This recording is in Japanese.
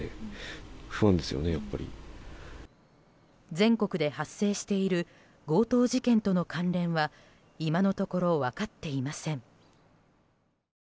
全国で発生している強盗事件との関連は今のところ分かっていません。